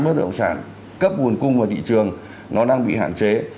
bất động sản cấp nguồn cung vào thị trường nó đang bị hạn chế